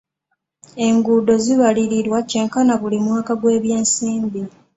Enguudo zibalirirwa kyenkana buli mwaka gw'ebyensimbi.